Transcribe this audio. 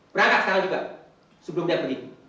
berangkat sama juga sebelum dia pergi